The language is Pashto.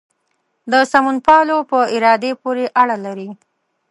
د سمونپالو په ارادې پورې اړه لري.